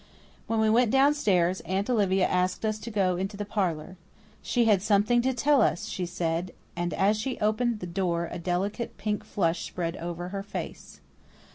When we went downstairs, Aunt Olivia asked us to go into the parlour. She had something to tell us, she said, and as she opened the door a delicate pink flush spread over her face.